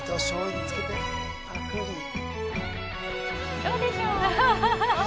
どうでしょう。